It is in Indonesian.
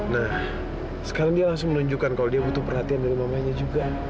nah sekarang dia langsung menunjukkan kalau dia butuh perhatian dari mamanya juga